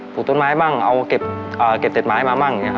ปลูกต้นไม้บ้างเก็บเต็ดไม้มาบ้าง